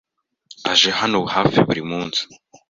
aje hano hafi buri munsi.